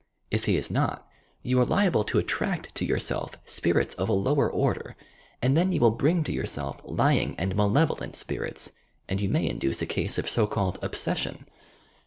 If he is not, you are liable to attract to yourself spirits of a lower order, and then you will bring to your self lying and malevolent spirits and you may induce a case of so called "obsession."